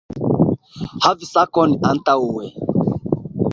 Havi sakon antaŭe